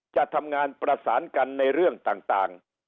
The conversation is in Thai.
จะทำงานประสานกันในเรื่องต่าง